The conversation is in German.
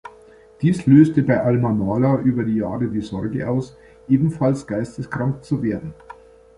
Dies löste bei Alma Mahler über Jahre die Sorge aus, ebenfalls geisteskrank zu werden.